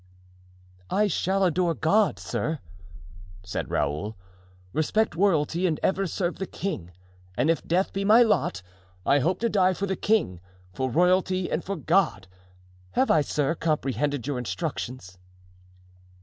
"I shall adore God, sir," said Raoul, "respect royalty and ever serve the king. And if death be my lot, I hope to die for the king, for royalty and for God. Have I, sir, comprehended your instructions?"